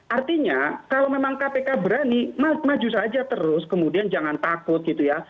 artinya kalau memang kpk berani maju saja terus kemudian jangan takut gitu ya